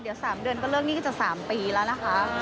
เดี๋ยว๓เดือนก็เลิกหนี้ก็จะ๓ปีแล้วนะคะ